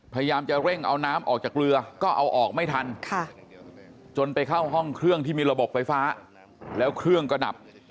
พยายามจะเร่งเอาน้ำออกจากเรือก็เอาออกไม่ทันจนไปเข้าห้องเครื่องที่มีระบบไฟฟ้าแล้วเครื่องก็ดับ